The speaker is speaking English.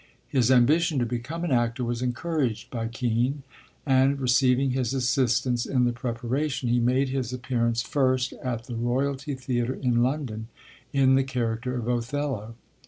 His ambition to become an actor was encouraged by Kean, and receiving his assistance in the preparation, he made his appearance first at the Royalty Theatre in London, in the character of Othello.